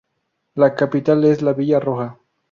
La capital es la villa Roja.